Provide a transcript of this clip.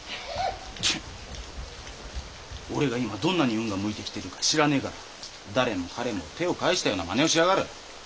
俺が今どんなに運が向いてきてるか知らねえから誰も彼も手を返したような真似をしやがる。